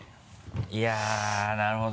いやなるほど。